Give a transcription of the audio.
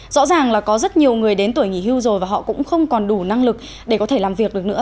rõ ràng là có rất nhiều người đến tuổi nghỉ hưu rồi và họ cũng không còn đủ năng lực để có thể làm việc được nữa